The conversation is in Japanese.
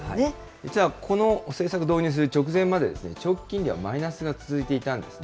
実はこの政策、導入する直前まで長期金利はマイナスが続いていたんですね。